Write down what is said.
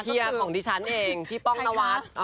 เฮียของดิฉันเองพี่ป้องนวัด